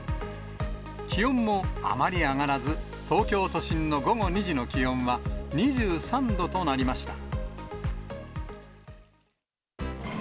気温もあまり上がらず、東京都心の午後２時の気温は２３度となりました。